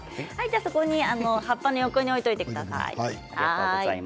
葉っぱの横に置いておいてください。